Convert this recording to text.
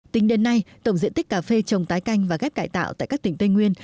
tính đến nay tổng diện tích cà phê trồng tái canh và ghép cải tạo tại các tỉnh tây nguyên